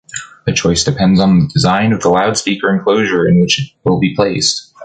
The choice depends on the design of the loudspeaker enclosure in which it will be placed.